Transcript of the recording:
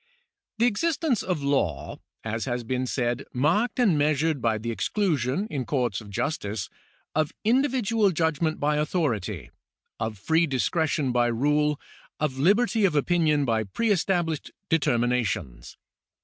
The existence of law is, as has been said, marked and measured by the exclusion, in courts of justice, of individual judgment by authority, of free discretion by rule, of liberty of opinion by pre established determinations.